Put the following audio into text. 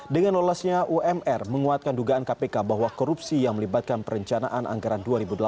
dengan lolosnya umr menguatkan dugaan kpk bahwa korupsi yang melibatkan perencanaan anggaran dua ribu delapan belas